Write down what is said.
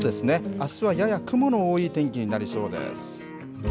あすはやや雲の多い天気になりそうです。